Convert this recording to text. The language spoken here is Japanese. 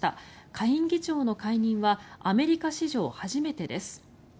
下院議長の解任はアメリカ史上初めてです。